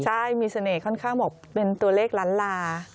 ใช่มีเสน่ห์ค่อนข้างบอกเป็นตัวเลขล้านลา